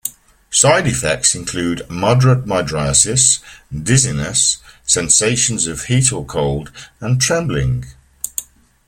Side effects include moderate mydriasis, dizziness, sensations of heat or cold, and trembling.